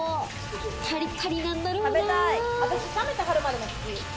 パリパリなんだろうな。